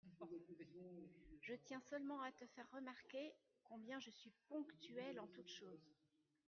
Je tiens seulement à te faire remarquer combien je suis ponctuel en toute chose.